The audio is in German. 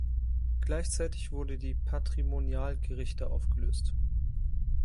Gleichzeitig wurde die Patrimonialgerichte aufgelöst.